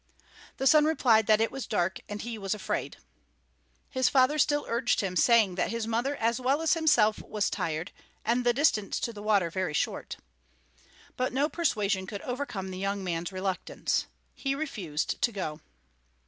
The son replied that it was dark and he was afraid. His father still urged him, saying that his mother as well as himself was tired, and the distance to the water very short. But no persuasion could overcome the young man's reluctance. He refused to go.